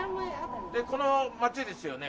この町ですよね？